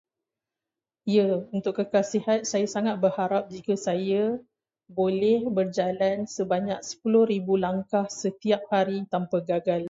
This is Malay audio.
Ya, untuk kekal sihat, saya sangat berharap jika saya boleh berjalan sebanyak sepuluh ribu langkah setiap hari tanpa gagal.